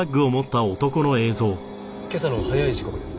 今朝の早い時刻です。